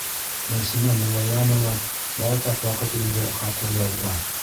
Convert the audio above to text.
Нәсимә Муллаянова байтаҡ ваҡыт инде хаҡлы ялда.